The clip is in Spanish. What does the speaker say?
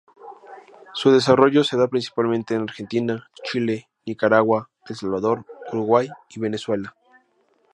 Su desarrollo se da principalmente en Argentina, Chile, Nicaragua, El Salvador, Uruguay y Venezuela.